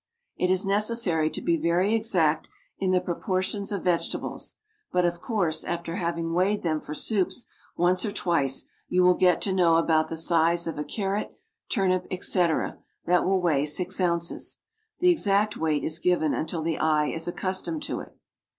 It is necessary to be very exact in the proportions of vegetables; but, of course, after having weighed them for soups once or twice, you will get to know about the size of a carrot, turnip, etc., that will weigh six ounces. The exact weight is given until the eye is accustomed to it.